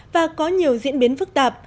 và có nhiều diễn biến phức tạp